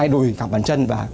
hai đùi cả bàn chân và